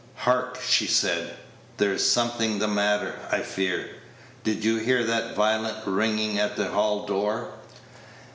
"Hark!" she said, "there is something the matter, I fear. Did you hear that violent ringing at the hall door?"